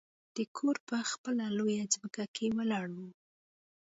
دا کور په خپله لویه ځمکه کې ولاړ و